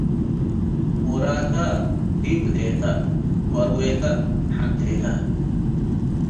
ሞራከ ዲብ እዴከ፡ ወአርዌከ ሐንቴከ።